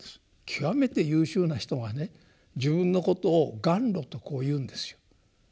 極めて優秀な人がね自分のことを頑魯とこう言うんですよ。